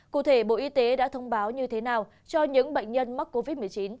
cụ thể bộ y tế đã thông báo như thế nào cho những bệnh nhân mắc covid một mươi chín